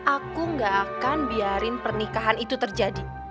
aku gak akan biarin pernikahan itu terjadi